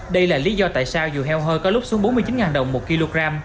đây là lý do tại sao dù heo hơi có lúc xuống bốn mươi chín đồng một kg